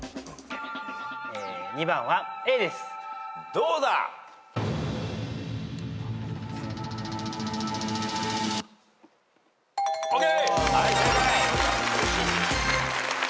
どうだ？ＯＫ！